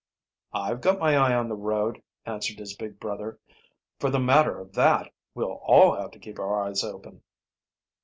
"I've got my eye on the road," answered his big brother. "For the matter of that, we'll all have to keep our eyes open."